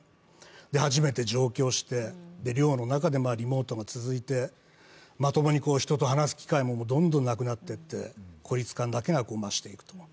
初めて上京して寮の中でリモートが続いてまともに人と話す機会もどんどんなくなっていって孤立感だけが増していく。